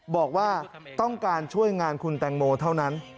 บอกว่าต้องการช่วยงานคุณแตงโมเท่านั้น